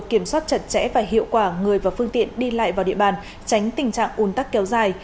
kiểm soát chặt chẽ và hiệu quả người và phương tiện đi lại vào địa bàn tránh tình trạng ùn tắc kéo dài